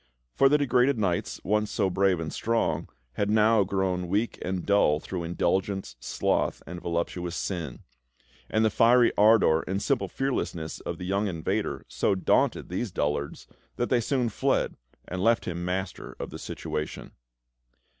For the degraded knights, once so brave and strong, had now grown weak and dull through indulgence, sloth, and voluptuous sin; and the fiery ardour and simple fearlessness of the young invader so daunted these dullards that they soon fled and left him master of the situation.